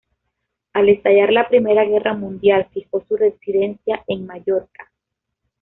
Al estallar la Primera Guerra Mundial, fijó su residencia en Mallorca.